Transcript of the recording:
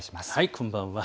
こんばんは。